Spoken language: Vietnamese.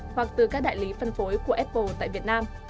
hoặc từ các đại lý phân phối của apple tại việt nam